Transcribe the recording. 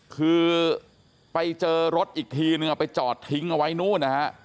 คือไปเจอรถอีกทีนึงเอาไปจอดทิ้งเอาไว้นู่นนะฮะ